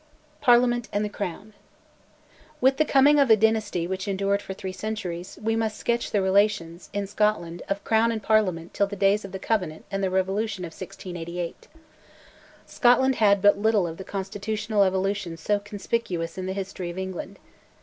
PARLIAMENT AND THE CROWN. With the coming of a dynasty which endured for three centuries, we must sketch the relations, in Scotland, of Crown and Parliament till the days of the Covenant and the Revolution of 1688. Scotland had but little of the constitutional evolution so conspicuous in the history of England.